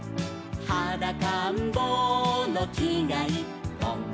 「はだかんぼうのきがいっぽん」